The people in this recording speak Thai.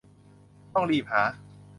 ต้องรีบหา